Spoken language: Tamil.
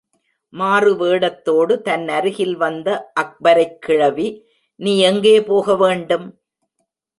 மாறுவேடத்தோடு தன் அருகில் வந்த அக்பரைக் கிழவி, நீ எங்கே போக வேண்டும்?